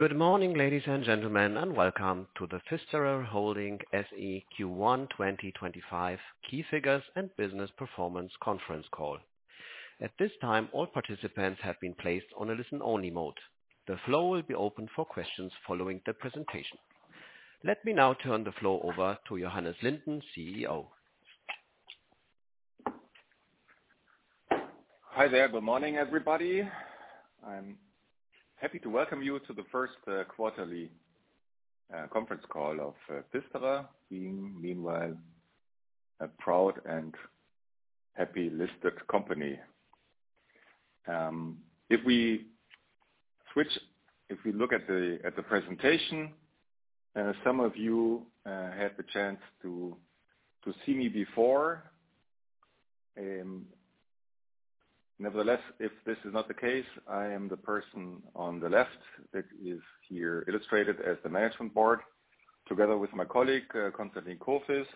Good morning, ladies and gentlemen, and welcome to the PFISTERER Holding SE Q1 2025 Key Figures and Business Performance Conference Call. At this time, all participants have been placed on a listen-only mode. The floor will be open for questions following the presentation. Let me now turn the floor over to Johannes Linden, CEO. Hi there, good morning, everybody. I'm happy to welcome you to the first quarterly conference call of PFISTERER, being meanwhile a proud and happy listed company. If we look at the presentation, some of you had the chance to see me before. Nevertheless, if this is not the case, I am the person on the left that is here illustrated as the management board, together with my colleague, Konstantin Kurfiss.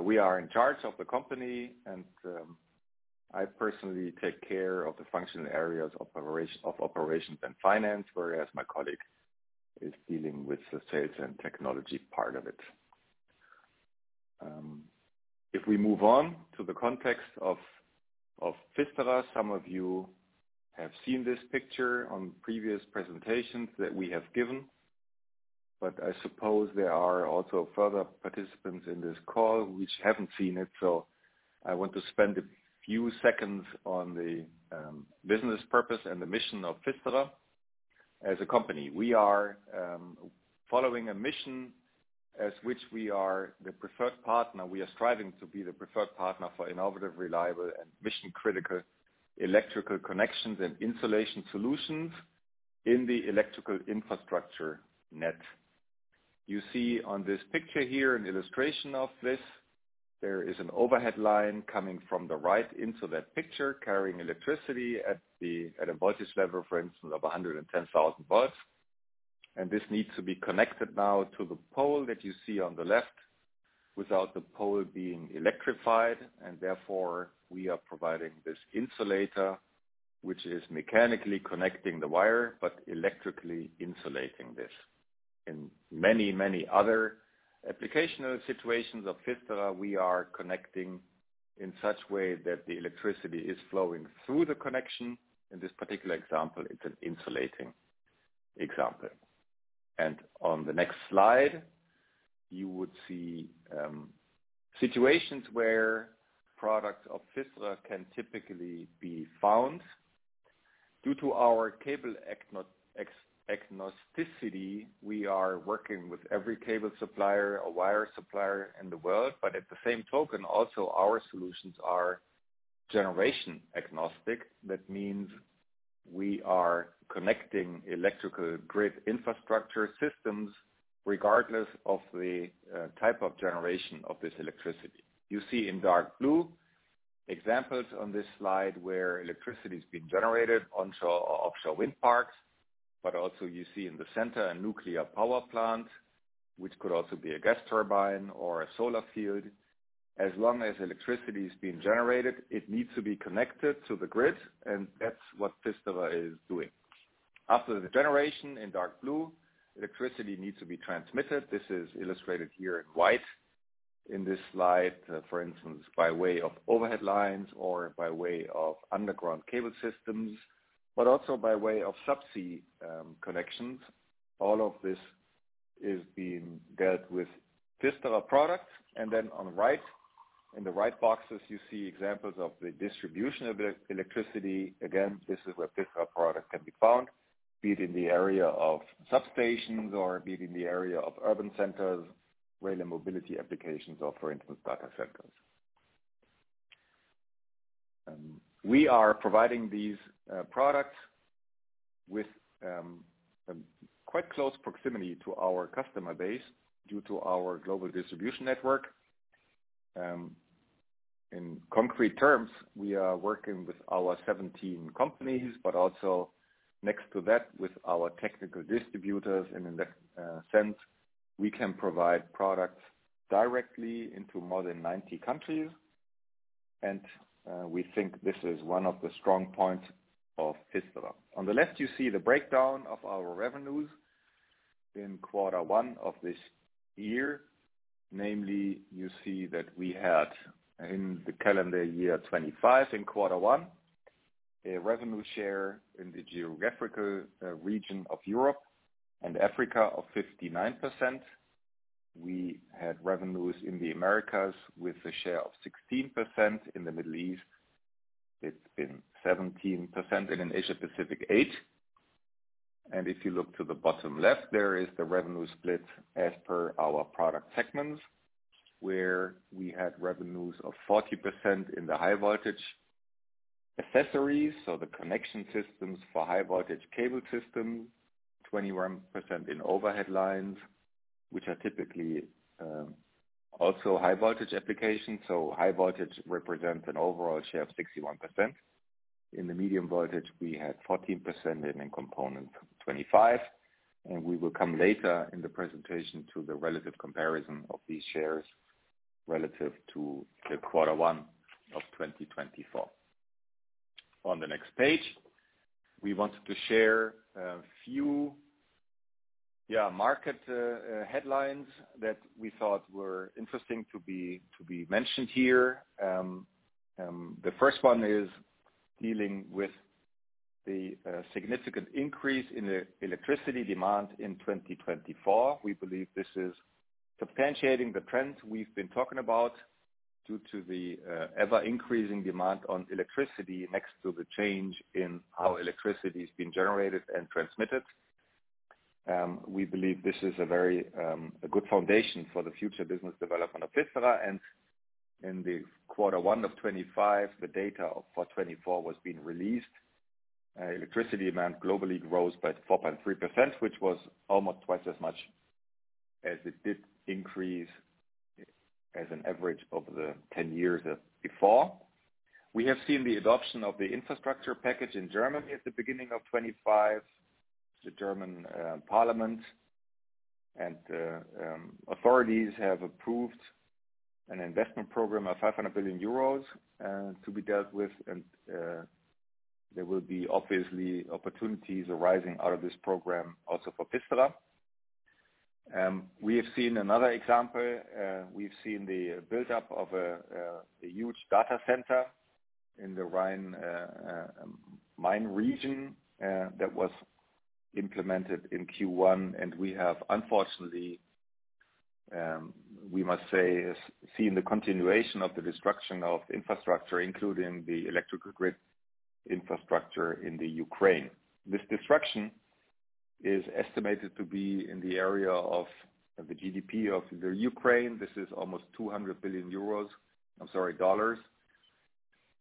We are in charge of the company, and I personally take care of the functional areas of operations and finance, whereas my colleague is dealing with the sales and technology part of it. If we move on to the context of PFISTERER, some of you have seen this picture on previous presentations that we have given, but I suppose there are also further participants in this call who haven't seen it. I want to spend a few seconds on the business purpose and the mission of PFISTERER as a company. We are following a mission in which we are the preferred partner. We are striving to be the preferred partner for innovative, reliable, and mission-critical electrical connections and insulation solutions in the electrical infrastructure net. You see on this picture here an illustration of this. There is an overhead line coming from the right into that picture, carrying electricity at a voltage level, for instance, of 110,000 volts. This needs to be connected now to the pole that you see on the left, without the pole being electrified. Therefore, we are providing this insulator, which is mechanically connecting the wire, but electrically insulating this. In many, many other applicational situations of PFISTERER, we are connecting in such a way that the electricity is flowing through the connection. In this particular example, it is an insulating example. On the next slide, you would see situations where products of PFISTERER can typically be found. Due to our cable agnosticity, we are working with every cable supplier or wire supplier in the world. At the same token, also our solutions are generation agnostic. That means we are connecting electrical grid infrastructure systems regardless of the type of generation of this electricity. You see in dark blue examples on this slide where electricity is being generated onshore or offshore wind parks. You also see in the center a nuclear power plant, which could also be a gas turbine or a solar field. As long as electricity is being generated, it needs to be connected to the grid, and that is what PFISTERER is doing. After the generation in dark blue, electricity needs to be transmitted. This is illustrated here in white in this slide, for instance, by way of overhead lines or by way of underground cable systems, but also by way of subsea connections. All of this is being dealt with PFISTERER products. Then on the right, in the right boxes, you see examples of the distribution of electricity. Again, this is where PFISTERER products can be found, be it in the area of substations or be it in the area of urban centers, rail and mobility applications, or, for instance, data centers. We are providing these products with quite close proximity to our customer base due to our global distribution network. In concrete terms, we are working with our 17 companies, but also next to that with our technical distributors. In that sense, we can provide products directly into more than 90 countries. We think this is one of the strong points of PFISTERER. On the left, you see the breakdown of our revenues in quarter one of this year. Namely, you see that we had in the calendar year 2025 in quarter one, a revenue share in the geographical region of Europe and Africa of 59%. We had revenues in the Americas with a share of 16%. In the Middle East, it has been 17%. In Asia-Pacific, 8%. If you look to the bottom left, there is the revenue split as per our product segments, where we had revenues of 40% in the high-voltage accessories, so the connection systems for high-voltage cable systems, 21% in overhead lines, which are typically also high-voltage applications. High voltage represents an overall share of 61%. In the medium voltage, we had 14% and in components 25%. We will come later in the presentation to the relative comparison of these shares relative to the quarter one of 2024. On the next page, we wanted to share a few market headlines that we thought were interesting to be mentioned here. The first one is dealing with the significant increase in electricity demand in 2024. We believe this is substantiating the trend we've been talking about due to the ever-increasing demand on electricity next to the change in how electricity is being generated and transmitted. We believe this is a very good foundation for the future business development of PFISTERER. In the quarter one of 2025, the data for 2024 was being released. Electricity demand globally grows by 4.3%, which was almost twice as much as it did increase as an average of the 10 years before. We have seen the adoption of the infrastructure package in Germany at the beginning of 2025. The German parliament and authorities have approved an investment program of 500 billion euros to be dealt with. There will be obviously opportunities arising out of this program also for PFISTERER. We have seen another example. We have seen the buildup of a huge data center in the Rhine-Main region that was implemented in Q1. We have, unfortunately, we must say, seen the continuation of the destruction of infrastructure, including the electrical grid infrastructure in Ukraine. This destruction is estimated to be in the area of the GDP of Ukraine. This is almost $200 billion—I'm sorry, dollars.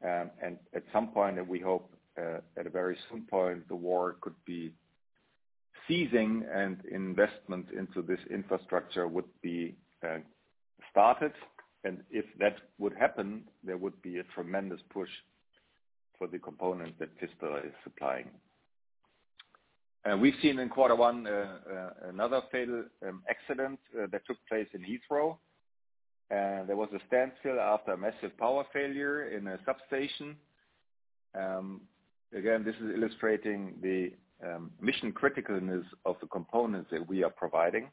At some point, we hope at a very soon point, the war could be ceasing and investment into this infrastructure would be started. If that would happen, there would be a tremendous push for the components that PFISTERER is supplying. We've seen in quarter one another fatal accident that took place in Heathrow. There was a standstill after a massive power failure in a substation. This is illustrating the mission-criticalness of the components that we are providing.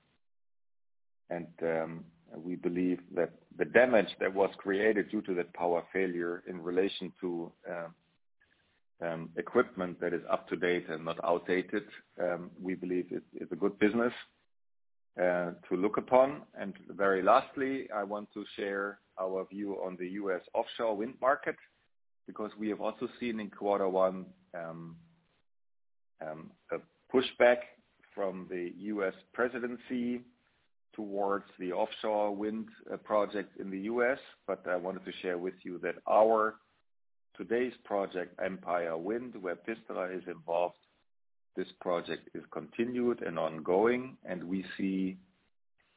We believe that the damage that was created due to that power failure in relation to equipment that is up to date and not outdated, we believe it is a good business to look upon. Very lastly, I want to share our view on the US offshore wind market because we have also seen in quarter one a pushback from the US presidency towards the offshore wind project in the US. I wanted to share with you that our today's project, Empire Wind, where PFISTERER is involved, this project is continued and ongoing. We see,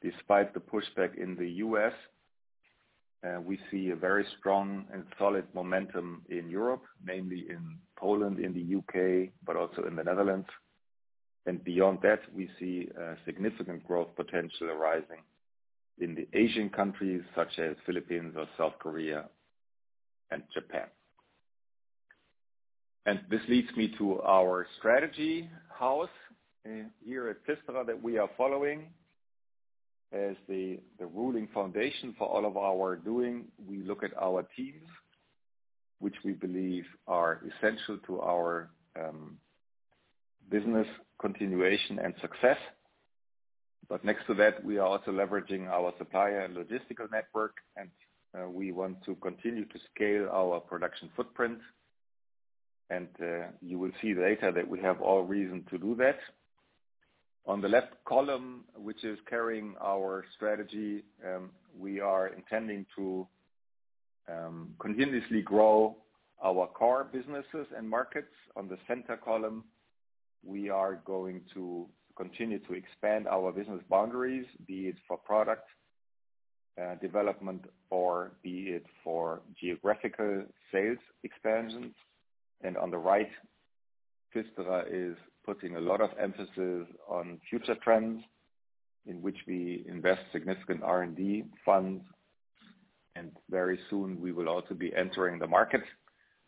despite the pushback in the U.S., we see a very strong and solid momentum in Europe, namely in Poland, in the U.K., but also in the Netherlands. Beyond that, we see significant growth potential arising in the Asian countries, such as the Philippines or South Korea and Japan. This leads me to our strategy house here at PFISTERER that we are following. As the ruling foundation for all of our doing, we look at our teams, which we believe are essential to our business continuation and success. Next to that, we are also leveraging our supplier and logistical network. We want to continue to scale our production footprint. You will see later that we have all reason to do that. On the left column, which is carrying our strategy, we are intending to continuously grow our core businesses and markets. On the center column, we are going to continue to expand our business boundaries, be it for product development or be it for geographical sales expansion. On the right, PFISTERER is putting a lot of emphasis on future trends in which we invest significant R&D funds. Very soon, we will also be entering the market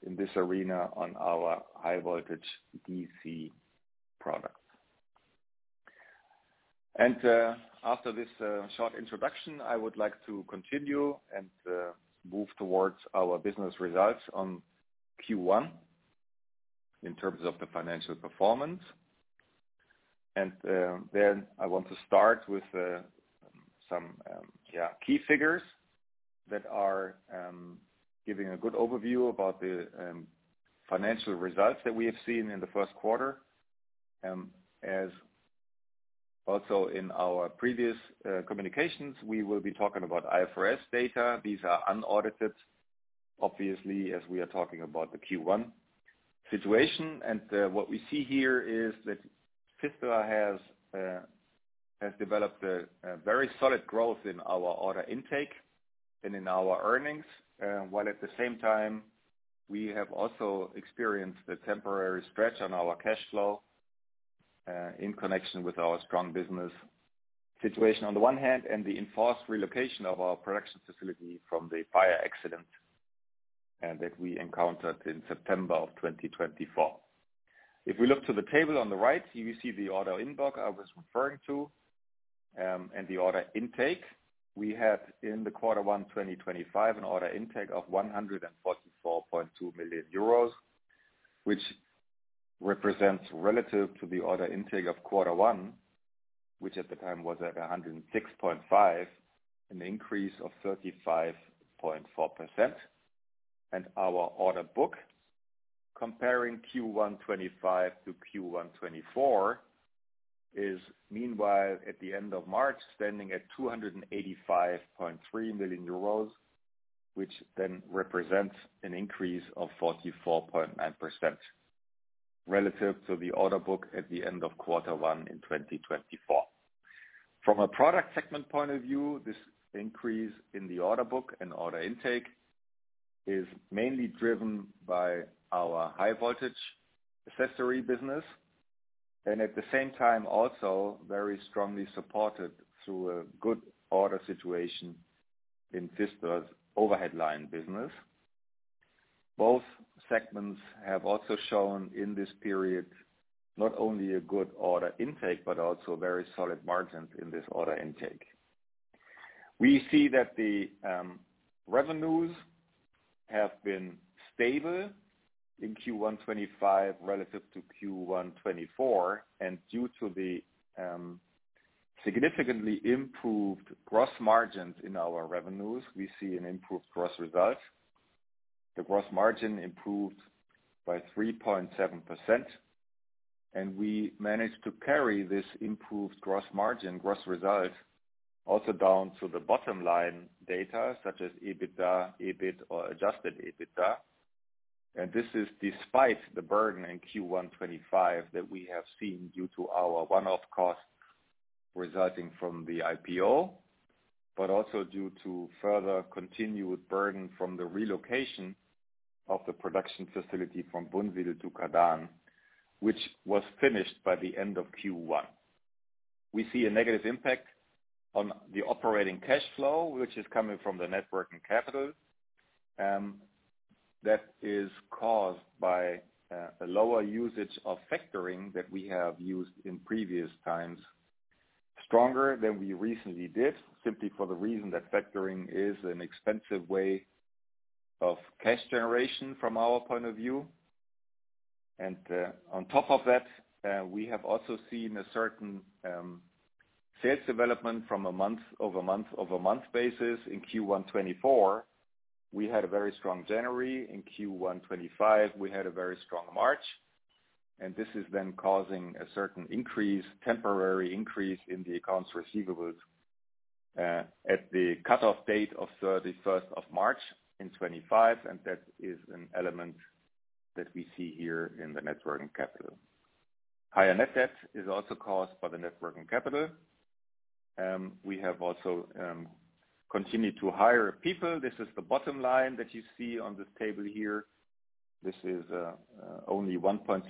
in this arena on our high-voltage DC products. After this short introduction, I would like to continue and move towards our business results on Q1 in terms of the financial performance. I want to start with some key figures that are giving a good overview about the financial results that we have seen in the first quarter. As also in our previous communications, we will be talking about IFRS data. These are unaudited, obviously, as we are talking about the Q1 situation. What we see here is that PFISTERER has developed a very solid growth in our order intake and in our earnings, while at the same time, we have also experienced a temporary stretch on our cash flow in connection with our strong business situation on the one hand and the enforced relocation of our production facility from the fire accident that we encountered in September 2024. If we look to the table on the right, you see the order book I was referring to and the order intake. We had in the quarter one 2025 an order intake of 144.2 million euros, which represents relative to the order intake of quarter one, which at the time was at 106.5%, an increase of 35.4%. Our order book, comparing Q1 2025 to Q1 2024, is meanwhile at the end of March standing at 285.3 million euros, which then represents an increase of 44.9% relative to the order book at the end of quarter one in 2024. From a product segment point of view, this increase in the order book and order intake is mainly driven by our high-voltage accessory business and at the same time also very strongly supported through a good order situation in PFISTERER's overhead line business. Both segments have also shown in this period not only a good order intake, but also very solid margins in this order intake. We see that the revenues have been stable in Q1 2025 relative to Q1 2024. Due to the significantly improved gross margins in our revenues, we see an improved gross result. The gross margin improved by 3.7%. We managed to carry this improved gross margin, gross result, also down to the bottom line data such as EBITDA, EBIT, or adjusted EBITDA. This is despite the burden in Q1 2025 that we have seen due to our one-off costs resulting from the IPO, but also due to further continued burden from the relocation of the production facility from Bünnwedel to Kadan, which was finished by the end of Q1. We see a negative impact on the operating cash flow, which is coming from the working capital. That is caused by a lower usage of factoring that we have used in previous times, stronger than we recently did, simply for the reason that factoring is an expensive way of cash generation from our point of view. On top of that, we have also seen a certain sales development from a month-over-month-over-month basis. In Q1 2024, we had a very strong January. In Q1 2025, we had a very strong March. This is then causing a certain increase, temporary increase in the accounts receivables at the cutoff date of 31st of March in 2025. That is an element that we see here in the networking capital. Higher net debt is also caused by the networking capital. We have also continued to hire people. This is the bottom line that you see on this table here. This is only 1.6%.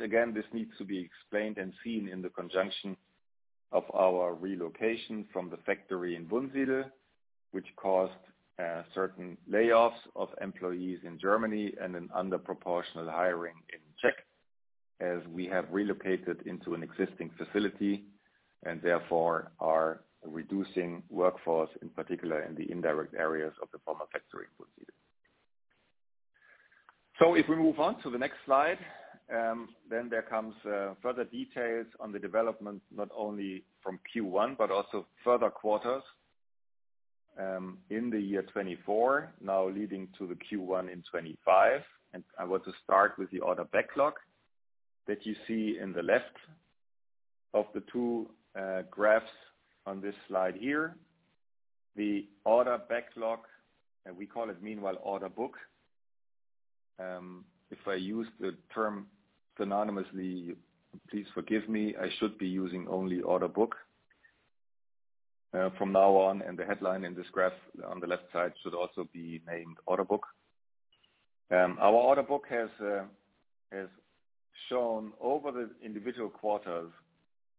Again, this needs to be explained and seen in the conjunction of our relocation from the factory in Bünnwedel, which caused certain layoffs of employees in Germany and an underproportional hiring in Czech as we have relocated into an existing facility and therefore are reducing workforce, in particular in the indirect areas of the former factory in Bünnwedel. If we move on to the next slide, there comes further details on the development not only from Q1, but also further quarters in the year 2024, now leading to the Q1 in 2025. I want to start with the order backlog that you see in the left of the two graphs on this slide here. The order backlog, and we call it meanwhile order book. If I use the term synonymously, please forgive me. I should be using only order book from now on. The headline in this graph on the left side should also be named order book. Our order book has shown over the individual quarters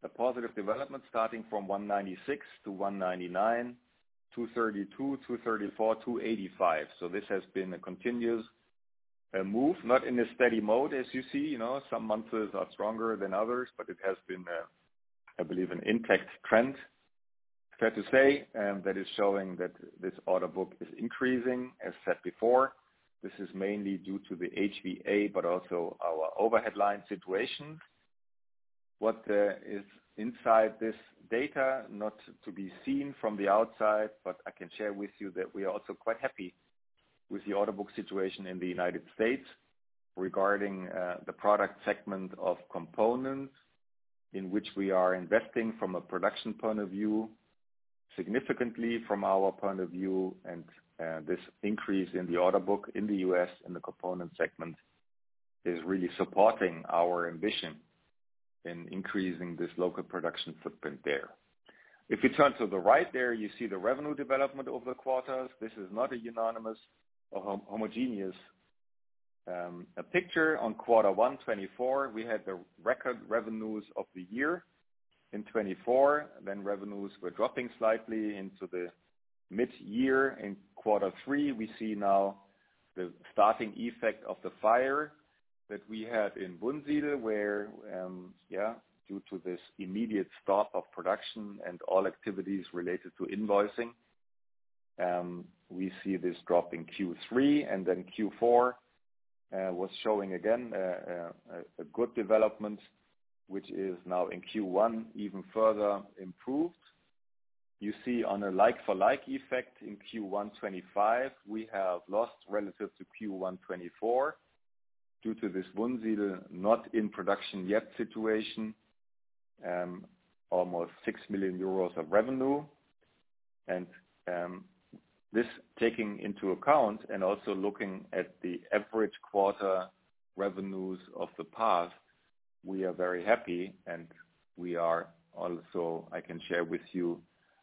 a positive development starting from 196 to 199, 232, 234, 285. This has been a continuous move, not in a steady mode as you see. Some months are stronger than others, but it has been, I believe, an intact trend, fair to say, that is showing that this order book is increasing, as said before. This is mainly due to the HVA, but also our overhead line situation. What is inside this data, not to be seen from the outside, but I can share with you that we are also quite happy with the order book situation in the United States regarding the product segment of components in which we are investing from a production point of view, significantly from our point of view. This increase in the order book in the US in the component segment is really supporting our ambition in increasing this local production footprint there. If you turn to the right there, you see the revenue development over the quarters. This is not a unanimous or homogeneous picture. In quarter one 2024, we had the record revenues of the year in 2024. Revenues were dropping slightly into the mid-year. In quarter three, we see now the starting effect of the fire that we had in Bünnwedel, where, yeah, due to this immediate stop of production and all activities related to invoicing, we see this drop in Q3. Q4 was showing again a good development, which is now in Q1 even further improved. You see on a like-for-like effect in Q1 2025, we have lost relative to Q1 2024 due to this Bünnwedel not in production yet situation, almost 6 million euros of revenue. This taking into account and also looking at the average quarter revenues of the past, we are very happy. We are also, I can share with you,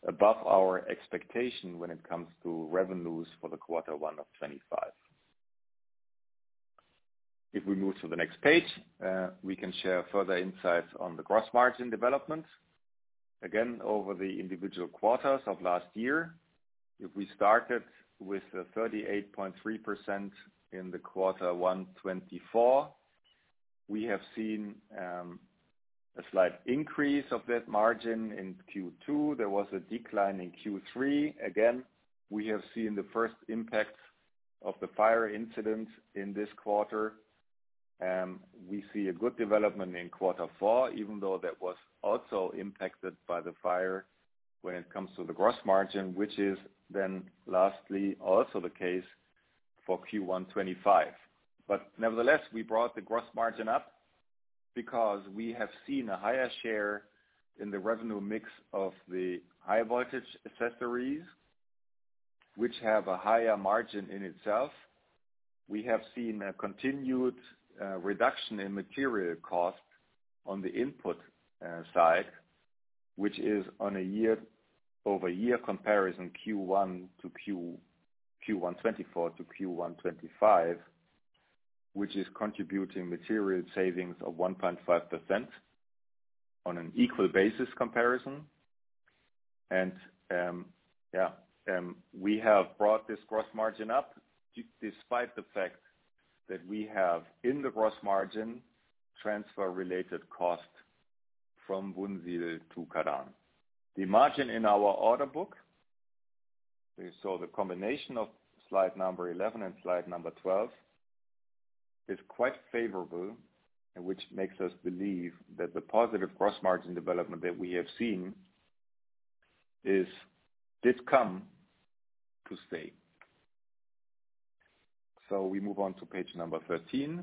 above our expectation when it comes to revenues for the quarter one of 2025. If we move to the next page, we can share further insights on the gross margin development. Again, over the individual quarters of last year, if we started with 38.3% in the quarter one 2024, we have seen a slight increase of that margin in Q2. There was a decline in Q3. Again, we have seen the first impact of the fire incident in this quarter. We see a good development in quarter four, even though that was also impacted by the fire when it comes to the gross margin, which is then lastly also the case for Q1 2025. Nevertheless, we brought the gross margin up because we have seen a higher share in the revenue mix of the high-voltage accessories, which have a higher margin in itself. We have seen a continued reduction in material cost on the input side, which is on a year-over-year comparison Q1 2024 to Q1 2025, which is contributing material savings of 1.5% on an equal basis comparison. Yeah, we have brought this gross margin up despite the fact that we have in the gross margin transfer-related cost from Bünnwedel to Kadan. The margin in our order book, so the combination of slide number 11 and slide number 12 is quite favorable, which makes us believe that the positive gross margin development that we have seen did come to stay. We move on to page number 13,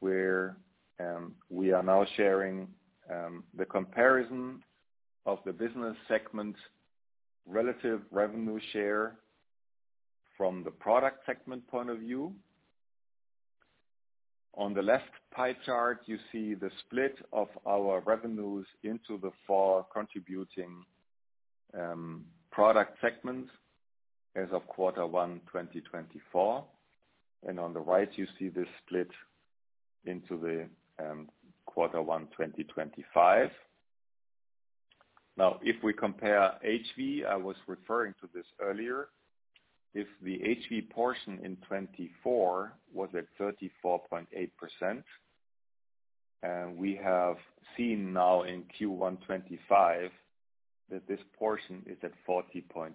where we are now sharing the comparison of the business segment relative revenue share from the product segment point of view. On the left pie chart, you see the split of our revenues into the four contributing product segments as of quarter one 2024. On the right, you see this split into the quarter one 2025. Now, if we compare HV, I was referring to this earlier. If the HV portion in 2024 was at 34.8%, we have seen now in Q1 2025 that this portion is at 40.1%.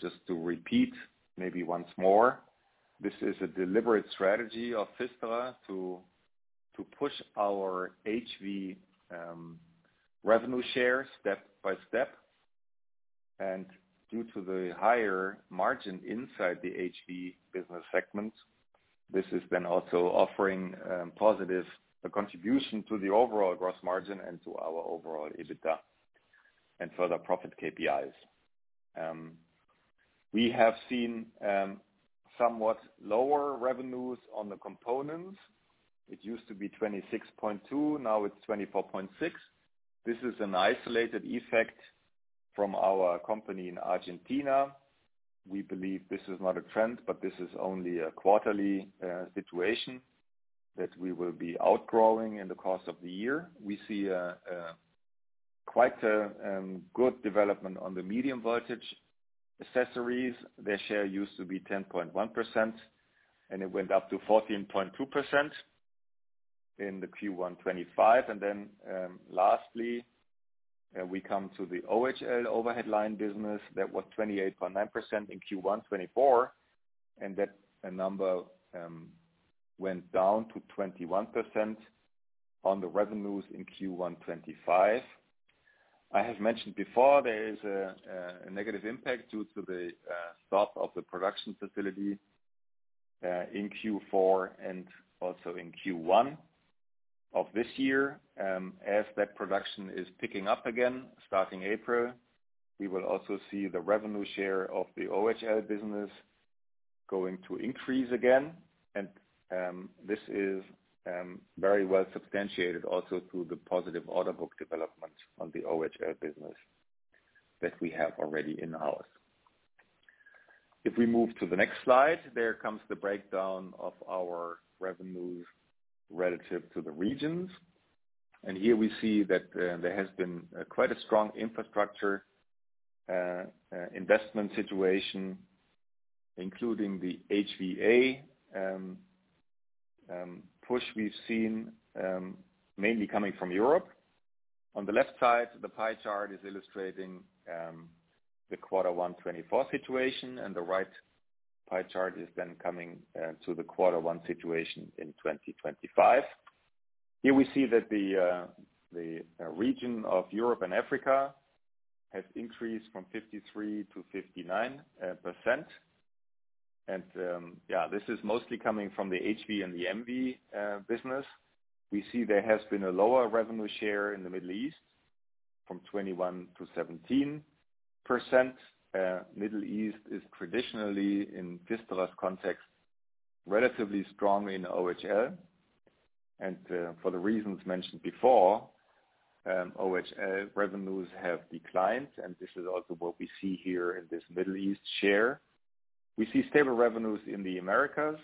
Just to repeat maybe once more, this is a deliberate strategy of PFISTERER to push our HV revenue shares step by step. Due to the higher margin inside the HV business segment, this is then also offering positive contribution to the overall gross margin and to our overall EBITDA and further profit KPIs. We have seen somewhat lower revenues on the components. It used to be 26.2; now it is 24.6. This is an isolated effect from our company in Argentina. We believe this is not a trend, but this is only a quarterly situation that we will be outgrowing in the course of the year. We see quite a good development on the medium voltage accessories. Their share used to be 10.1%, and it went up to 14.2% in Q1 2025. Lastly, we come to the OHL overhead line business. That was 28.9% in Q1 2024, and that number went down to 21% on the revenues in Q1 2025. I have mentioned before there is a negative impact due to the stop of the production facility in Q4 and also in Q1 of this year. As that production is picking up again starting April, we will also see the revenue share of the OHL business going to increase again. This is very well substantiated also through the positive order book development on the OHL business that we have already in-house. If we move to the next slide, there comes the breakdown of our revenues relative to the regions. Here we see that there has been quite a strong infrastructure investment situation, including the HVA push we have seen, mainly coming from Europe. On the left side, the pie chart is illustrating the quarter one 2024 situation, and the right pie chart is then coming to the quarter one situation in 2025. Here we see that the region of Europe and Africa has increased from 53% to 59%. Yeah, this is mostly coming from the HV and the MV business. We see there has been a lower revenue share in the Middle East from 21% to 17%. Middle East is traditionally, in PFISTERER's context, relatively strong in OHL. For the reasons mentioned before, OHL revenues have declined, and this is also what we see here in this Middle East share. We see stable revenues in the Americas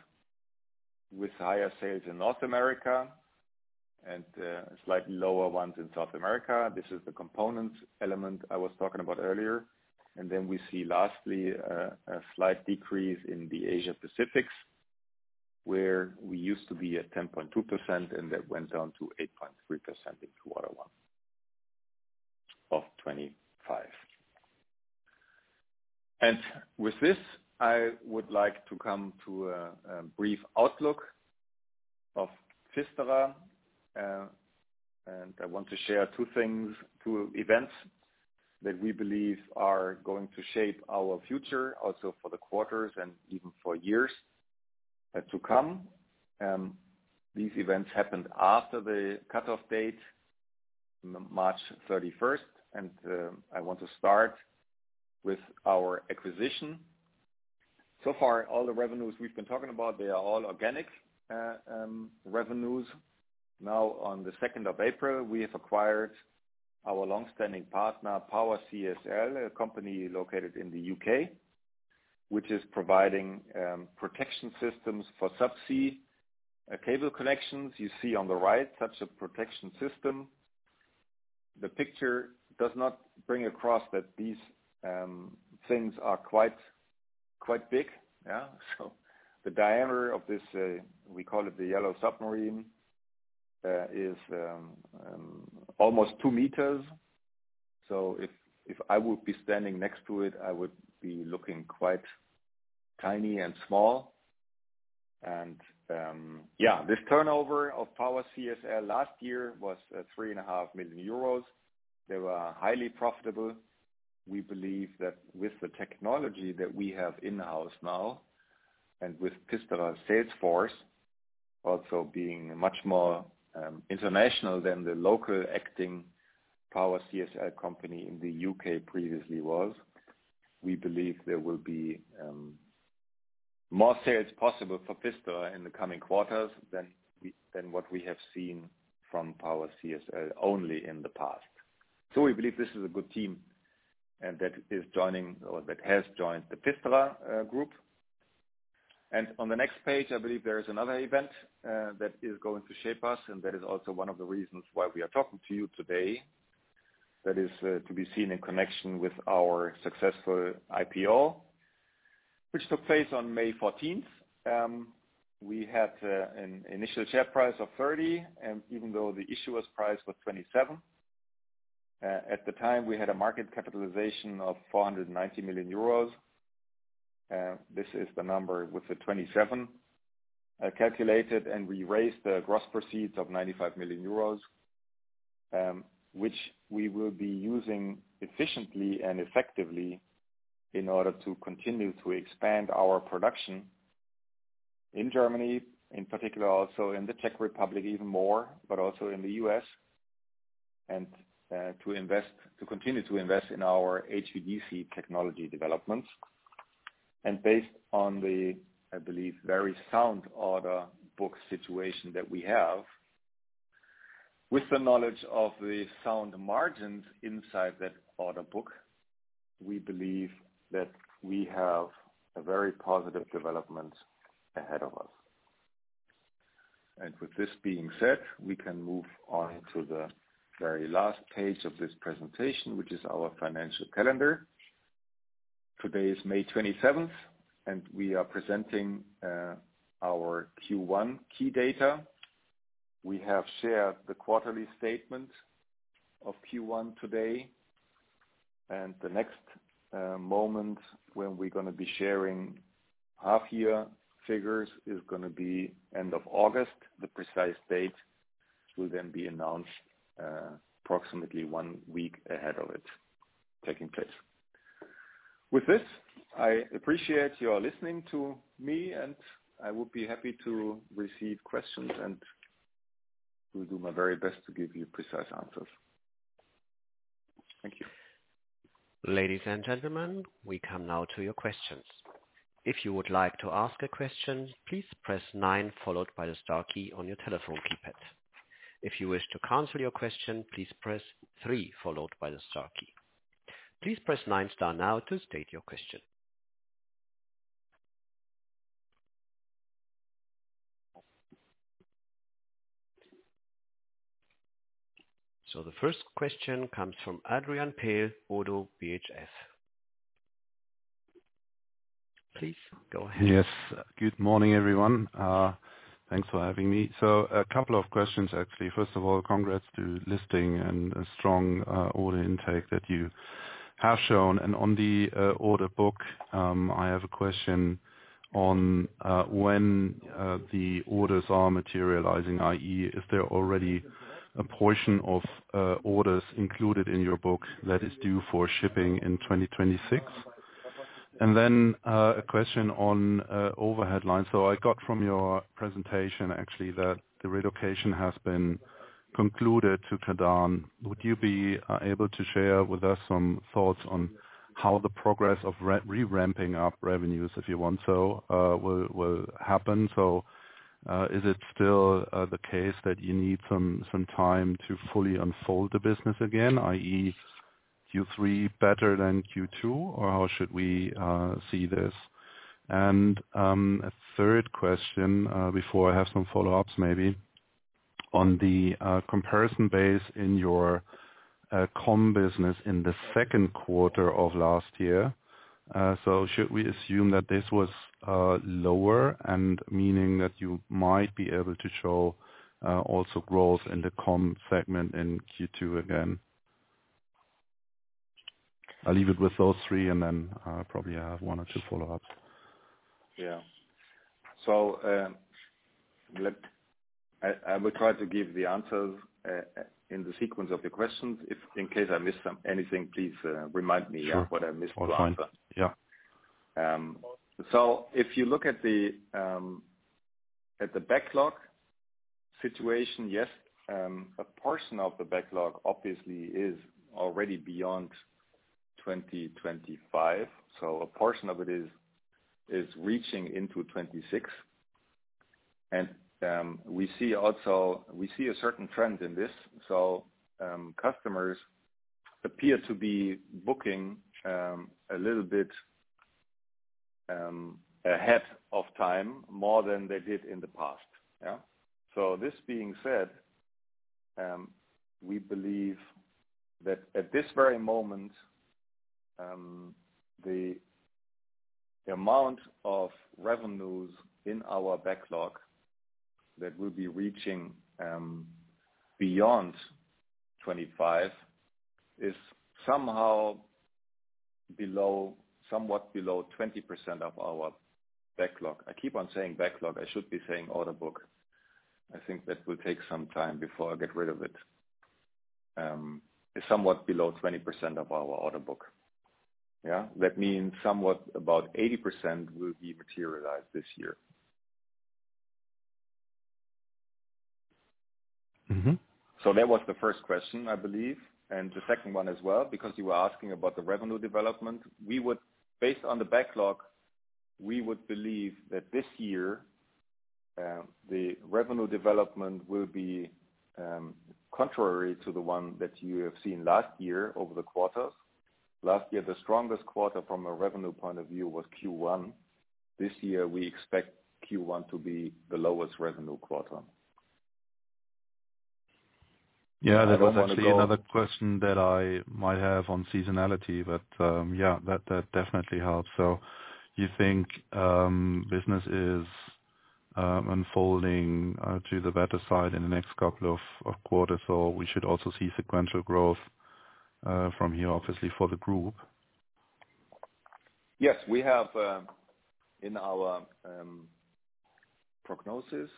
with higher sales in North America and slightly lower ones in South America. This is the component element I was talking about earlier. We see lastly a slight decrease in the Asia-Pacific, where we used to be at 10.2%, and that went down to 8.3% in quarter one of 2025. With this, I would like to come to a brief outlook of PFISTERER. I want to share two events that we believe are going to shape our future also for the quarters and even for years to come. These events happened after the cutoff date, March 31. I want to start with our acquisition. So far, all the revenues we've been talking about, they are all organic revenues. On April 2, we have acquired our long-standing partner, PowerCSL, a company located in the U.K., which is providing protection systems for subsea cable connections. You see on the right such a protection system. The picture does not bring across that these things are quite big. Yeah. The diameter of this, we call it the yellow submarine, is almost 2 m. If I would be standing next to it, I would be looking quite tiny and small. Yeah, this turnover of PowerCSL last year was 3.5 million euros. They were highly profitable. We believe that with the technology that we have in-house now and with PFISTERER's Salesforce also being much more international than the local acting PowerCSL company in the U.K. previously was, we believe there will be more sales possible for PFISTERER in the coming quarters than what we have seen from PowerCSL only in the past. We believe this is a good team that is joining or that has joined the PFISTERER group. On the next page, I believe there is another event that is going to shape us, and that is also one of the reasons why we are talking to you today. That is to be seen in connection with our successful IPO, which took place on May 14, 2025. We had an initial share price of 30, even though the issuer's price was 27. At the time, we had a market capitalization of 490 million euros. This is the number with the 27 calculated, and we raised the gross proceeds of 95 million euros, which we will be using efficiently and effectively in order to continue to expand our production in Germany, in particular also in the Czech Republic even more, but also in the US, and to continue to invest in our HVDC technology developments. Based on the, I believe, very sound order book situation that we have, with the knowledge of the sound margins inside that order book, we believe that we have a very positive development ahead of us. With this being said, we can move on to the very last page of this presentation, which is our financial calendar. Today is May 27th, and we are presenting our Q1 key data. We have shared the quarterly statement of Q1 today. The next moment when we're going to be sharing half-year figures is going to be end of August. The precise date will then be announced approximately one week ahead of it taking place. With this, I appreciate your listening to me, and I would be happy to receive questions, and will do my very best to give you precis e answers. Thank you. Ladies and gentlemen, we come now to your questions. If you would like to ask a question, please press 9 followed by the star key on your telephone keypad. If you wish to cancel your question, please press 3 followed by the star key. Please press 9 star now to state your question. The first question comes from Adrian Pehl, Oddo BHF. Please go ahead. Yes. Good morning, everyone. Thanks for having me. A couple of questions, actually. First of all, congrats to listing and strong order intake that you have shown. On the order book, I have a question on when the orders are materializing, i.e., is there already a portion of orders included in your book that is due for shipping in 2026? A question on overhead lines. I got from your presentation, actually, that the relocation has been concluded to Kadan. Would you be able to share with us some thoughts on how the progress of re-ramping up revenues, if you want so, will happen? Is it still the case that you need some time to fully unfold the business again, i.e., Q3 better than Q2, or how should we see this? A third question before I have some follow-ups, maybe on the comparison base in your com business in the second quarter of last year. Should we assume that this was lower, meaning that you might be able to show also growth in the com segment in Q2 again? I'll leave it with those three, and then I probably have one or two follow-ups. Yeah. I will try to give the answers in the sequence of the questions. In case I miss anything, please remind me what I missed last time. Yeah. If you look at the backlog situation, yes, a portion of the backlog obviously is already beyond 2025. A portion of it is reaching into 2026. We see a certain trend in this. Customers appear to be booking a little bit ahead of time more than they did in the past. Yeah. This being said, we believe that at this very moment, the amount of revenues in our backlog that will be reaching beyond 2025 is somewhat below 20% of our backlog. I keep on saying backlog. I should be saying order book. I think that will take some time before I get rid of it. It's somewhat below 20% of our order book. Yeah. That means somewhat about 80% will be materialized this year. That was the first question, I believe. The second one as well, because you were asking about the revenue development, based on the backlog, we would believe that this year the revenue development will be contrary to the one that you have seen last year over the quarters. Last year, the strongest quarter from a revenue point of view was Q1. This year, we expect Q1 to be the lowest revenue quarter. Yeah. That was actually another question that I might have on seasonality, but yeah, that definitely helps. You think business is unfolding to the better side in the next couple of quarters, or we should also see sequential growth from here, obviously, for the group? Yes. In our prognosis,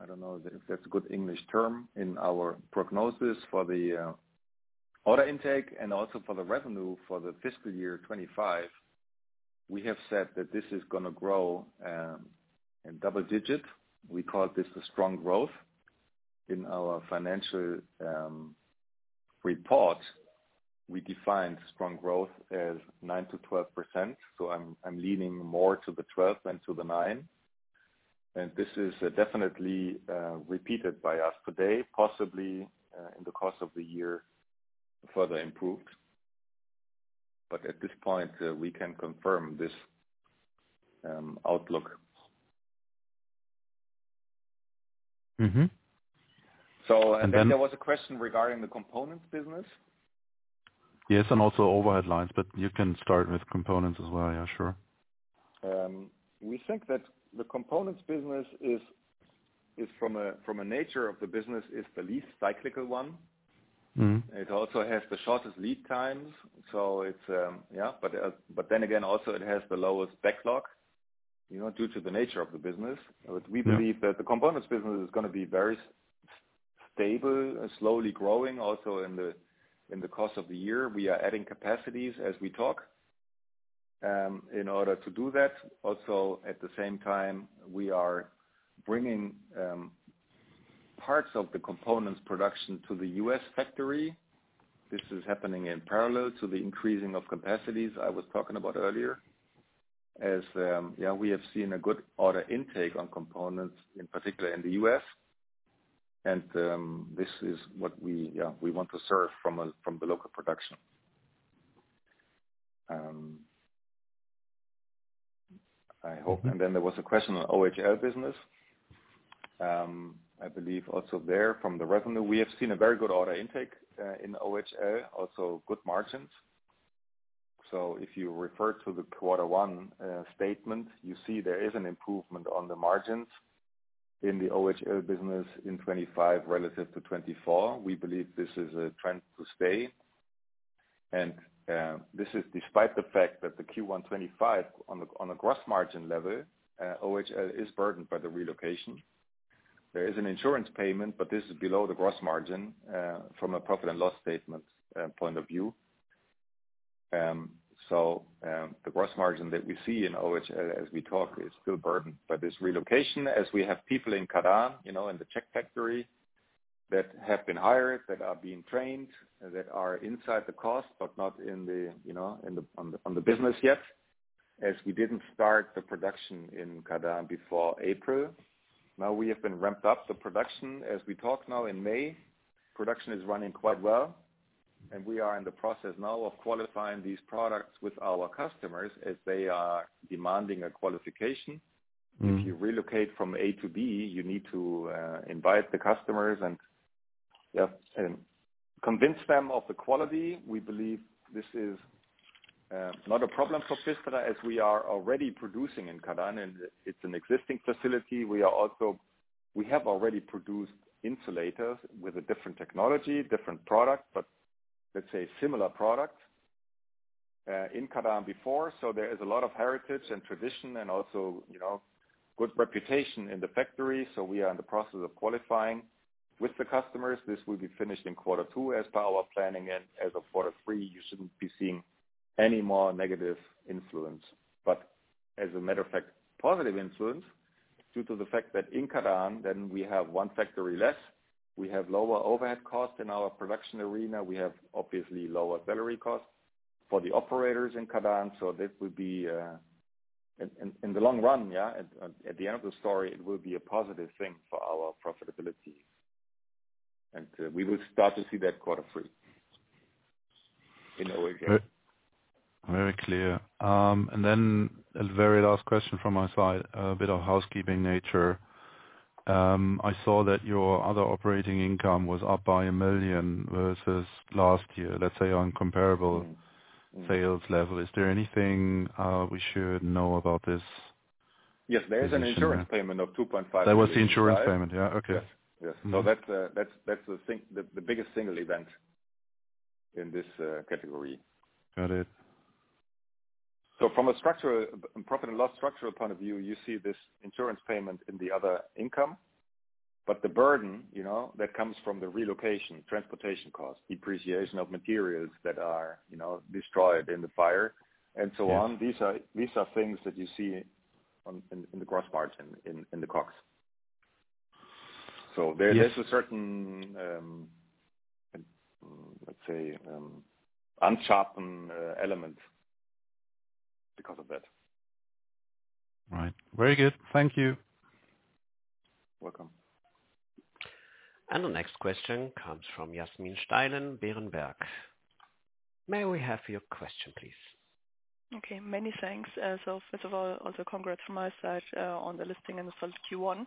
I do not know if that is a good English term, in our prognosis for the order intake and also for the revenue for the fiscal year 2025, we have said that this is going to grow in double digits. We call this the strong growth. In our financial report, we define strong growth as 9-12%. I am leaning more to the 12 than to the 9. This is definitely repeated by us today, possibly in the course of the year, further improved. At this point, we can confirm this outlook. There was a question regarding the components business. Yes. Also overhead lines, but you can start with components as well. Yeah. Sure. We think that the components business, from a nature of the business, is the least cyclical one. It also has the shortest lead times. So yeah. Then again, also, it has the lowest backlog due to the nature of the business. We believe that the components business is going to be very stable, slowly growing, also in the course of the year. We are adding capacities as we talk in order to do that. Also, at the same time, we are bringing parts of the components production to the US factory. This is happening in parallel to the increasing of capacities I was talking about earlier. Yeah. We have seen a good order intake on components, in particular in the US. This is what we want to serve from the local production. I hope. Then there was a question on OHL business. I believe also there, from the revenue, we have seen a very good order intake in OHL, also good margins. If you refer to the quarter one statement, you see there is an improvement on the margins in the OHL business in 2025 relative to 2024. We believe this is a trend to stay. This is despite the fact that the Q1 2025, on a gross margin level, OHL is burdened by the relocation. There is an insurance payment, but this is below the gross margin from a profit and loss statement point of view. The gross margin that we see in OHL as we talk is still burdened by this relocation, as we have people in Kadan and the Czech factory that have been hired, that are being trained, that are inside the cost, but not in the business yet, as we did not start the production in Kadan before April. Now we have ramped up the production as we talk now in May. Production is running quite well. We are in the process now of qualifying these products with our customers as they are demanding a qualification. If you relocate from A to B, you need to invite the customers and convince them of the quality. We believe this is not a problem for PFISTERER, as we are already producing in Kadan, and it is an existing facility. We have already produced insulators with a different technology, different product, but let's say similar products in Kadan before. There is a lot of heritage and tradition and also good reputation in the factory. We are in the process of qualifying with the customers. This will be finished in quarter two as per our planning. As of quarter three, you should not be seeing any more negative influence. As a matter of fact, positive influence due to the fact that in Kadan, then we have one factory less. We have lower overhead costs in our production arena. We have obviously lower salary costs for the operators in Kadan. This will be, in the long run, yeah, at the end of the story, it will be a positive thing for our profitability. We will start to see that quarter three in OHL. Very clear. A very last question from my side, a bit of housekeeping nature. I saw that your other operating income was up by 1 million versus last year, let's say on comparable sales level. Is there anything we should know about this? Yes. There is an insurance payment of 2.5 million. That was the insurance payment. Yeah. Okay. Yes. Yes. That is the biggest single event in this category. Got it. From a profit and loss structural point of view, you see this insurance payment in the other income. The burden that comes from the relocation, transportation costs, depreciation of materials that are destroyed in the fire, and so on, these are things that you see in the gross margin in the COGS. There is a certain, let's say, unchartered element because of that. Right. Very good. Thank you. Welcome. The next question comes from Jasmin Steinen, Berenberg. May we have your question, please? Okay. Many thanks. First of all, also congrats from my side on the listing and the Q1.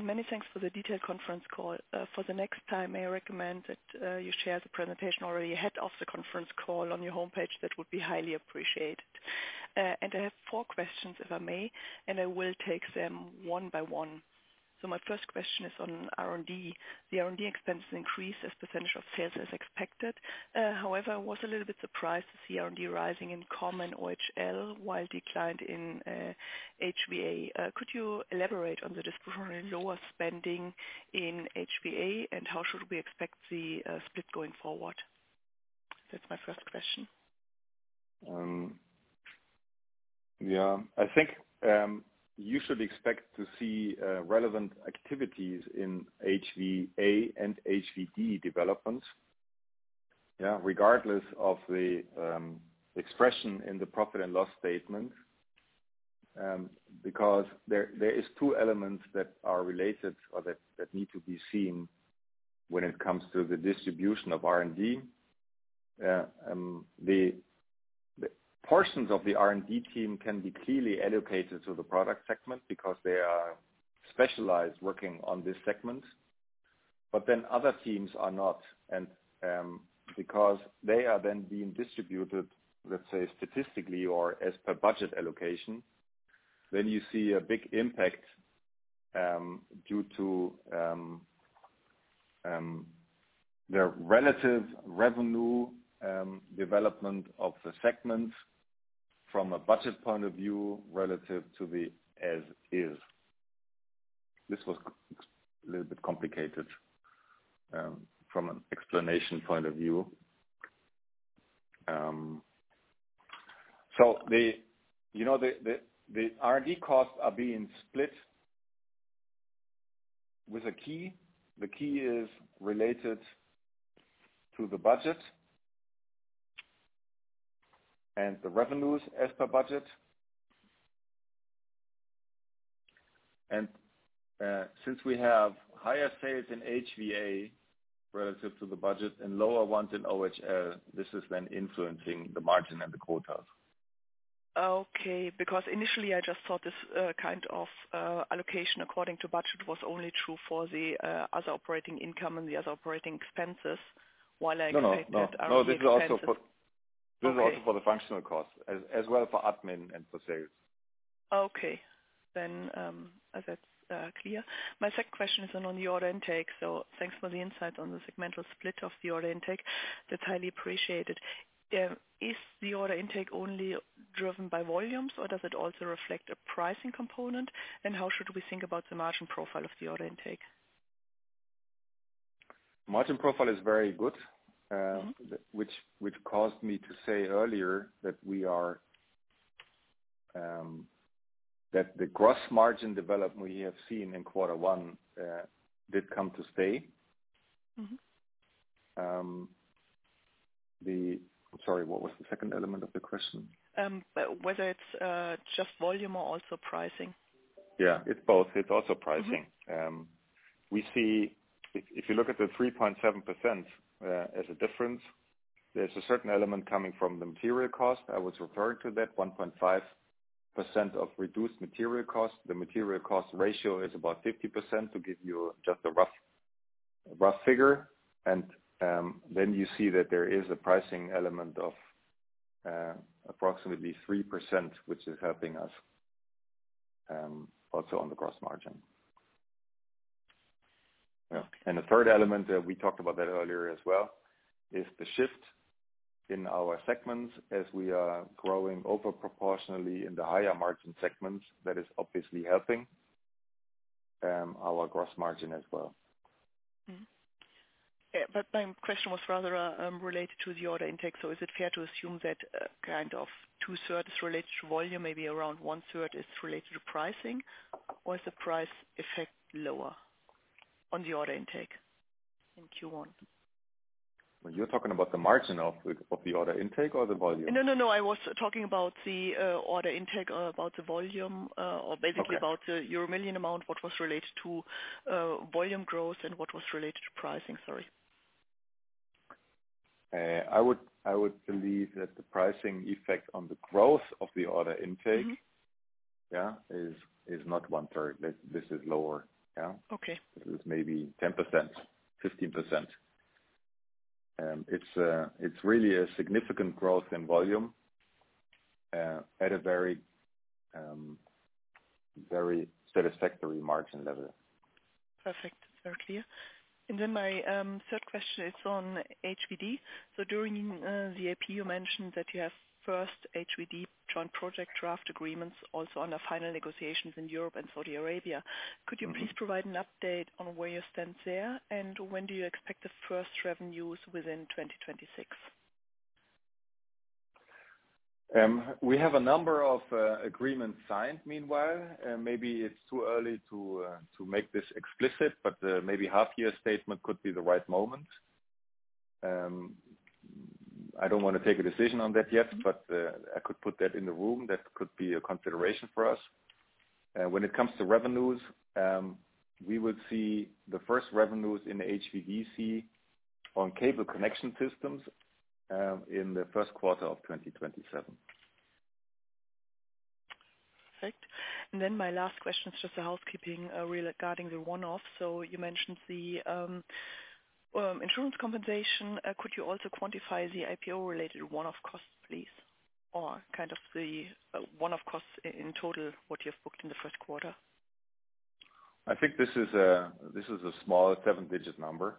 Many thanks for the detailed conference call. For the next time, may I recommend that you share the presentation already ahead of the conference call on your homepage? That would be highly appreciated. I have four questions, if Im ay, and I will take them one by one. My first question is on R&D. The R&D expenses increased as percentage of sales as expected. However, I was a little bit surprised to see R&D rising in common OHL while declined in HVA. Could you elaborate on the disposition and lower spending in HVA, and how should we expect the split going forward? That's my first question. Yeah. I think you should expect to see relevant activities in HVA and HVDC developments, yeah, regardless of the expression in the profit and loss statement, because there are two elements that are related or that need to be seen when it comes to the distribution of R&D. The portions of the R&D team can be clearly allocated to the product segment because they are specialized working on this segment. Other teams are not. Because they are then being distributed, let's say, statistically or as per budget allocation, you see a big impact due to the relative revenue development of the segments from a budget point of view relative to the as-is. This was a little bit complicated from an explanation point of view. The R&D costs are being split with a key. The key is related to the budget and the revenues as per budget. Since we have higher sales in HVA relative to the budget and lower ones in OHL, this is then influencing the margin and the quotas. Okay. Because initially, I just thought this kind of allocation according to budget was only true for the other operating income and the other operating expenses, while I expect that R&D is also for. No, no. This is also for the functional costs, as well for admin and for sales. Okay. That is clear. My second question is on the order intake. Thanks for the insights on the segmental split of the order intake. That is highly appreciated. Is the order intake only driven by volumes, or does it also reflect a pricing component? How should we think about the margin profile of the order intake? Margin profile is very good, which caused me to say earlier that the gross margin development we have seen in quarter one did come to stay. I'm sorry. What was the second element of the question? Whether it is just volume or also pricing. Yeah. It is both. It is also pricing. If you look at the 3.7% as a difference, there is a certain element coming from the material cost. I was referring to that 1.5% of reduced material cost. The material cost ratio is about 50% to give you just a rough figure. You see that there is a pricing element of approximately 3%, which is helping us also on the gross margin. Yeah. The third element, we talked about that earlier as well, is the shift in our segments as we are growing overproportionally in the higher margin segments. That is obviously helping our gross margin as well. My question was rather related to the order intake. Is it fair to assume that kind of two-thirds related to volume, maybe around one-third is related to pricing, or is the price effect lower on the order intake in Q1? You're talking about the margin of the order intake or the volume? No, no, no. I was talking about the order intake or about the volume, or basically about the euro million amount, what was related to volume growth and what was related to pricing. Sorry. I would believe that the pricing effect on the growth of the order intake, yeah, is not one-third. This is lower. Yeah. This is maybe 10%-15%. It's really a significant growth in volume at a very satisfactory margin level. Perfect. Very clear. My third question is on HVDC. During VIP, you mentioned that you have first HVDC joint project draft agreements also under final negotiations in Europe and Saudi Arabia. Could you please provide an update on where you stand there, and when do you expect the first revenues within 2026? We have a number of agreements signed meanwhile. Maybe it's too early to make this explicit, but maybe half-year statement could be the right moment. I don't want to take a decision on that yet, but I could put that in the room. That could be a consideration for us. When it comes to revenues, we will see the first revenues in HVDC on cable connection systems in the first quarter of 2027. Perfect. And then my last question is just the housekeeping regarding the one-off. You mentioned the insurance compensation. Could you also quantify the IPO-related one-off costs, please, or kind of the one-off costs in total what you have booked in the first quarter? I think this is a small seven-digit number,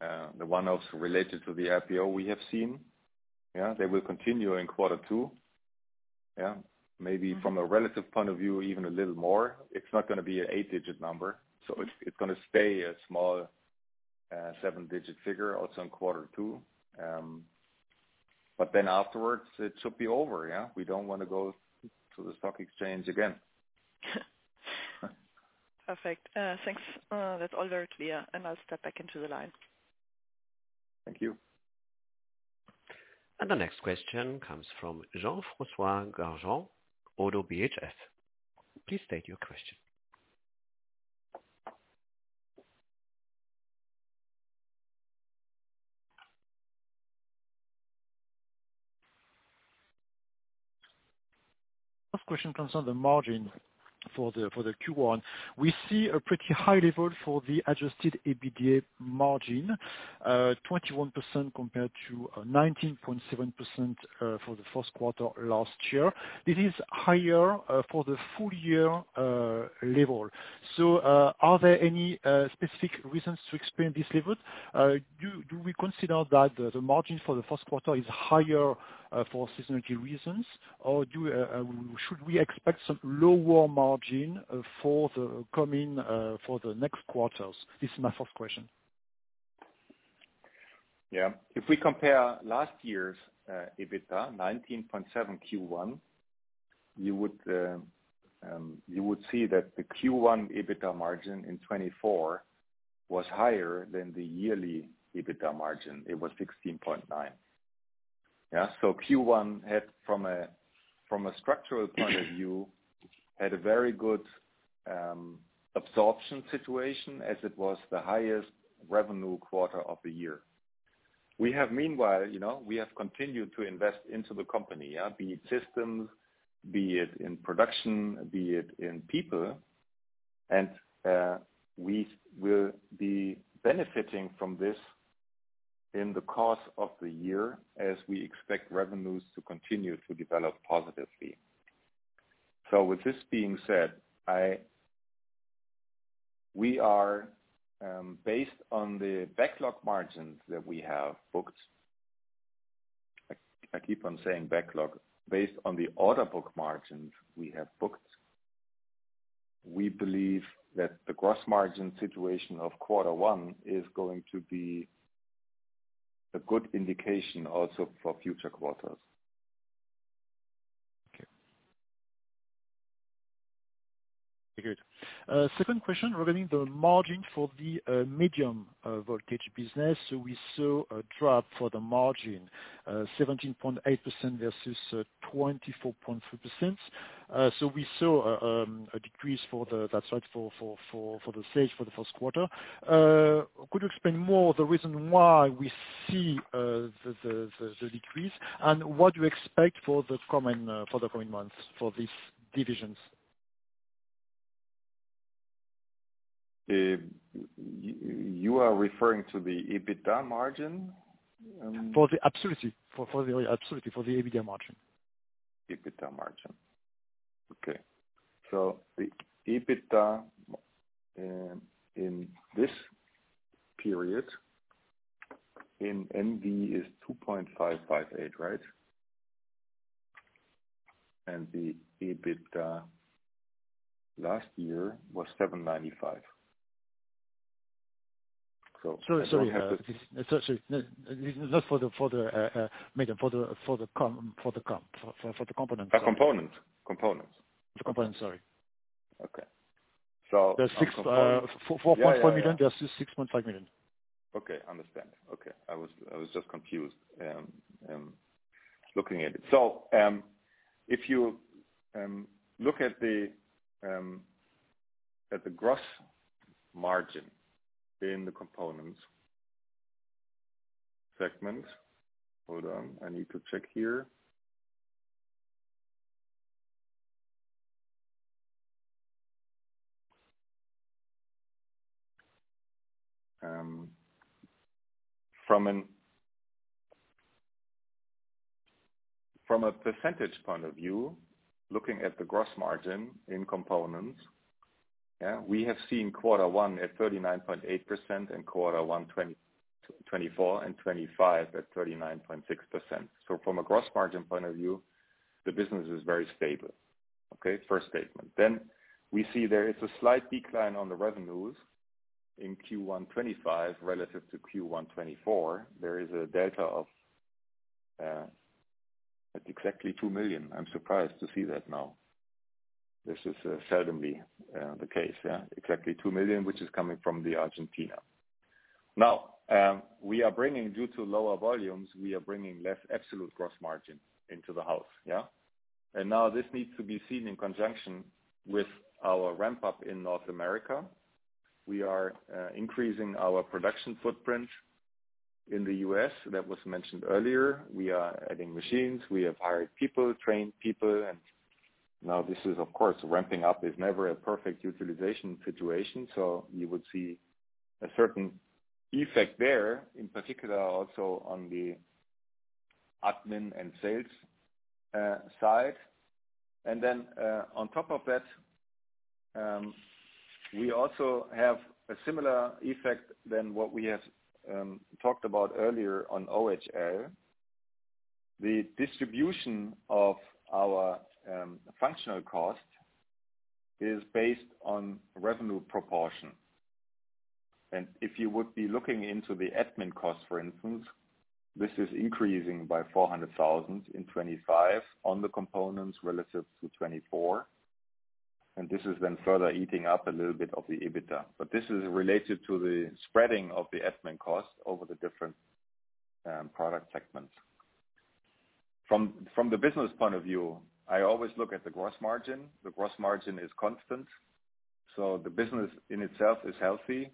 the one-offs related to the IPO we have seen. Yeah. They will continue in quarter two. Yeah. Maybe from a relative point of view, even a little more. It's not going to be an eight-digit number. It is going to stay a small seven-digit figure also in quarter two. Afterward, it should be over. Yeah. We do not want to go to the stock exchange again. Perfect. Thanks. That is all very clear. I will step back into the line. Thank you. The next question comes from Jean-François Gargand, Oddo BHF. Please state your question. First question concerns the margin for Q1. We see a pretty high level for the adjusted EBITDA margin, 21% compared to 19.7% for the first quarter last year. This is higher than the full-year level. Are there any specific reasons to explain this level? Do we consider that the margin for the first quarter is higher for seasonality reasons, or should we expect some lower margin for the next quarters? This is my first question. Yeah. If we compare last year's EBITDA, 19.7 Q1, you would see that the Q1 EBITDA margin in 2024 was higher than the yearly EBITDA margin. It was 16.9. Yeah. Q1, from a structural point of view, had a very good absorption situation as it was the highest revenue quarter of the year. Meanwhile, we have continued to invest into the company, be it systems, be it in production, be it in people. We will be benefiting from this in the course of the year as we expect revenues to continue to develop positively. With this being said, we are, based on the backlog margins that we have booked—I keep on saying backlog—based on the order book margins we have booked, we believe that the gross margin situation of quarter one is going to be a good indication also for future quarters. Okay. Very good. Second question regarding the margin for the medium voltage business. We saw a drop for the margin, 17.8% versus 24.3%. We saw a decrease for the—that's right—for the sales for the first quarter. Could you explain more of the reason why we see the decrease and what do you expect for the coming months for these divisions? You are referring to the EBITDA margin? Absolutely. For the EBITDA margin. EBITDA margin. Okay. The EBITDA in this period in MV is 2.558, right? The EBITDA last year was 795. Sorry. Sorry. Sorry. Not for the—maybe for the components. The components. The components. The components, sorry. Okay. 4.4 million, there's 6.5 million. Okay. I understand. I was just confused looking at it. If you look at the gross margin in the components segment—hold on. I need to check here. From a percentage point of view, looking at the gross margin in components, yeah, we have seen quarter one at 39.8% and quarter one 2024 and 2025 at 39.6%. From a gross margin point of view, the business is very stable. Okay. First statement. We see there is a slight decline on the revenues in Q1 2025 relative to Q1 2024. There is a delta of exactly 2 million. I'm surprised to see that now. This is seldomly the case, yeah? Exactly 2 million, which is coming from Argentina. Now, due to lower volumes, we are bringing less absolute gross margin into the house, yeah? This needs to be seen in conjunction with our ramp-up in North America. We are increasing our production footprint in the US that was mentioned earlier. We are adding machines. We have hired people, trained people. This is, of course, ramping up. It's never a perfect utilization situation. You would see a certain effect there, in particular also on the admin and sales side. On top of that, we also have a similar effect to what we have talked about earlier on OHL. The distribution of our functional cost is based on revenue proportion. If you would be looking into the admin cost, for instance, this is increasing by 400,000 in 2025 on the components relative to 2024. This is then further eating up a little bit of the EBITDA. This is related to the spreading of the admin cost over the different product segments. From the business point of view, I always look at the gross margin. The gross margin is constant. The business in itself is healthy.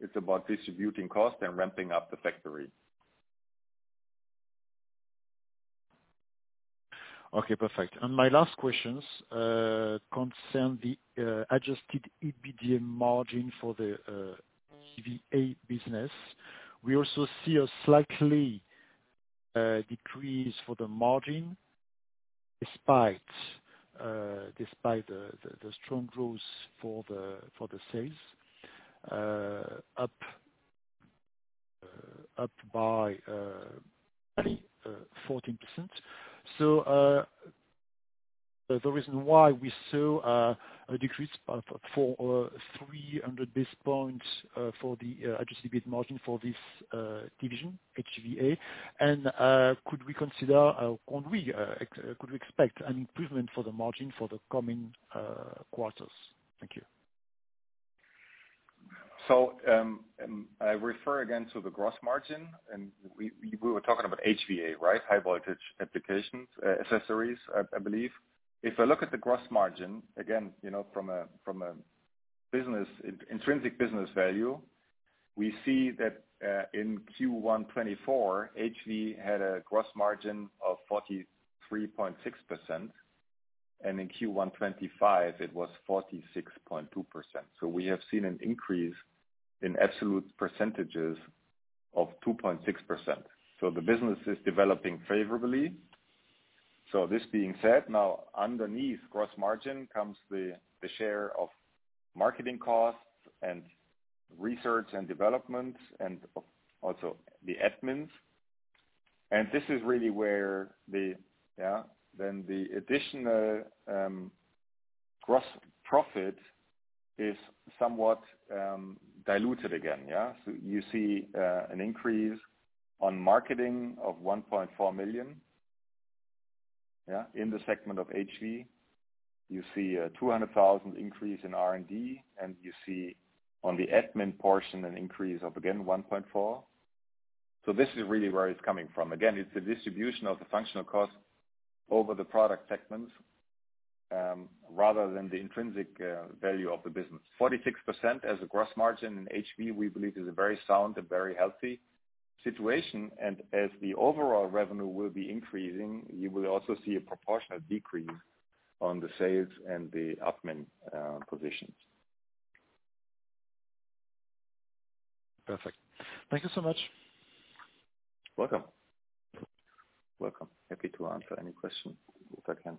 It's about distributing costs and ramping up the factory. Okay. Perfect. My last questions concern the adjusted EBITDA margin for the HVA business. We also see a slight decrease for the margin despite the strong growth for the sales, up by 14%. The reason why we saw a decrease of 300 basis points for the adjusted EBITDA margin for this division, HVA. Could we consider or could we expect an improvement for the margin for the coming quarters? Thank you. I refer again to the gross margin. We were talking about HVA, right? High-voltage accessories, I believe. If I look at the gross margin, again, from an intrinsic business value, we see that in Q1 2024, HVA had a gross margin of 43.6%. In Q1 2025, it was 46.2%. We have seen an increase in absolute percentages of 2.6%. The business is developing favorably. This being said, now underneath gross margin comes the share of marketing costs and research and development and also the admins. This is really where the, yeah, then the additional gross profit is somewhat diluted again, yeah? You see an increase on marketing of 1.4 million, yeah? In the segment of HV, you see a 200,000 increase in R&D, and you see on the admin portion an increase of, again, 1.4 million. This is really where it's coming from. Again, it's the distribution of the functional costs over the product segments rather than the intrinsic value of the business. 46% as a gross margin in HV, we believe, is a very sound and very healthy situation. As the overall revenue will be increasing, you will also see a proportionate decrease on the sales and the admin positions. Perfect. Thank you so much. Welcome. Welcome. Happy to answer any question if I can.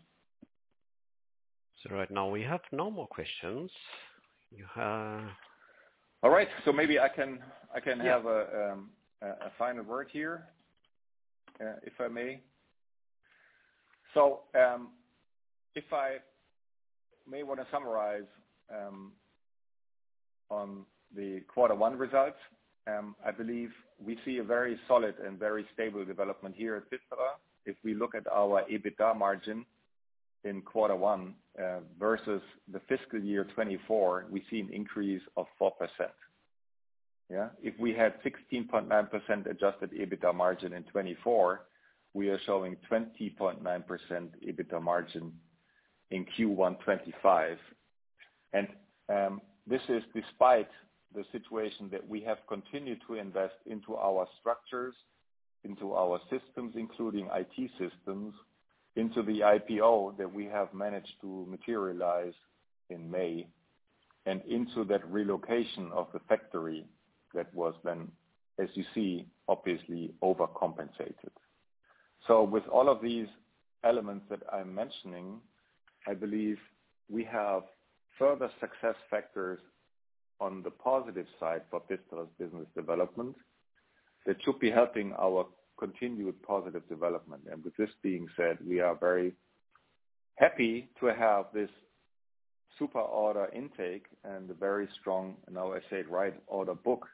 Right now, we have no more questions. All right. Maybe I can have a final word here if I may. If I may want to summarize on the quarter one results, I believe we see a very solid and very stable development here at PFISTERER. If we look at our EBITDA margin in quarter one versus the fiscal year 2024, we see an increase of 4%. Yeah? If we had 16.9% adjusted EBITDA margin in 2024, we are showing 20.9% EBITDA margin in Q1 2025. This is despite the situation that we have continued to invest into our structures, into our systems, including IT systems, into the IPO that we have managed to materialize in May, and into that relocation of the factory that was then, as you see, obviously overcompensated. With all of these elements that I'm mentioning, I believe we have further success factors on the positive side for PFISTERER's business development that should be helping our continued positive development. With this being said, we are very happy to have this super order intake and the very strong, now I say it right, order book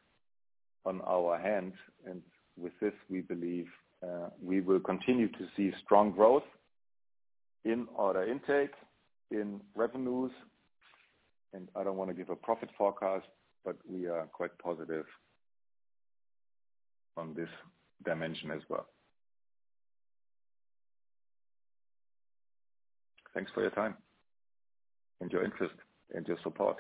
on our hands. With this, we believe we will continue to see strong growth in order intake, in revenues. I do not want to give a profit forecast, but we are quite positive on this dimension as well. Thanks for your time and your interest and your support.